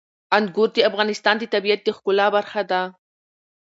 انګور د افغانستان د طبیعت د ښکلا برخه ده.